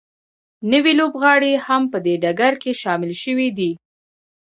نوي لوبغاړي هم په دې ډګر کې شامل شوي دي